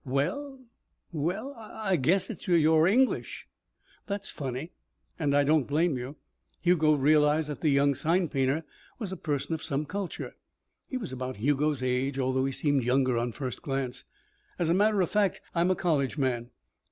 "Well well I I guess it was your English." "That's funny. And I don't blame you." Hugo realized that the young sign painter was a person of some culture. He was about Hugo's age, although he seemed younger on first glance. "As a matter of fact, I'm a college man."